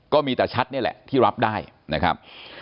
ก็มีแต่ชัดนี่แหละที่รับได้นะครับ